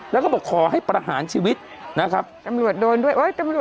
แล้วก็บอกขอให้ประหารชีวิตนะครับต่ำลวจโดนด้วย